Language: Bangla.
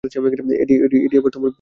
এডি, এবার তুমি বলো।